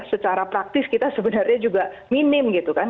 secara praktis kita sebenarnya juga minim gitu kan